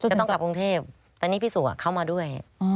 จะต้องกลับกรุงเทพแต่นี่พี่สุเข้ามาด้วย